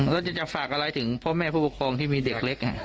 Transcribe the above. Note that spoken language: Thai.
แล้วจะฝากอะไรถึงพ่อแม่ผู้ปกครองที่มีเด็กเล็ก